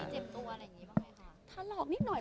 เจ็บตัวอะไรอย่างงี้บ้างไงค่ะ